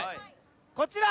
こちら。